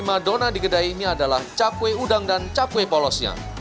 pembayaran madona di gedai ini adalah cakwe udang dan cakwe polosnya